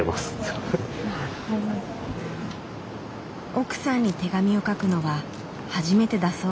奥さんに手紙を書くのは初めてだそう。